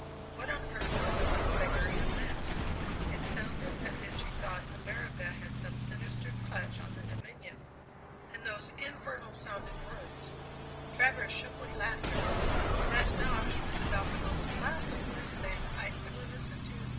What on earth could the little beggar have meant? It sounded as if she thought America had some sinister clutch on the Dominion. And those infernal sounding words!" Travers shook with laughter. "That 'dosh' was about the most blasphemous thing I ever listened to.